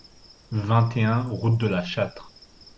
vingt et un route de La Châtre